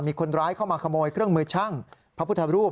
มีคนร้ายเข้ามาขโมยเครื่องมือช่างพระพุทธรูป